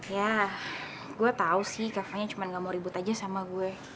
ya gue tau sih kakaknya cuma gak mau ribut aja sama gue